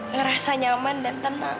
ngerasa nyaman dan tenang